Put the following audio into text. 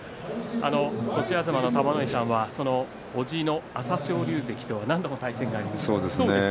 栃東の玉ノ井さんはおじの朝青龍関と何度も対戦があります。